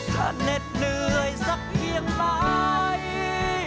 ถ้าเหน็ดเหนื่อยสักเพียงไหน